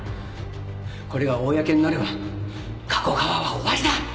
これが公になれば加古川は終わりだ！